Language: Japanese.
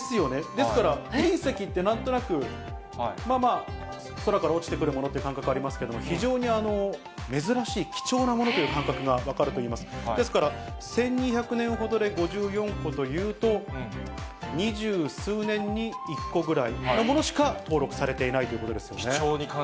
ですから、隕石ってなんとなく、まあまあ、空から落ちてくるものという感覚がありますけれども、非常に珍しい、貴重なものという感覚が分かるといいますか、ですから、１２００年ほどで５４個というと、二十数年に１個ぐらいのものしか登録されていないということですよね。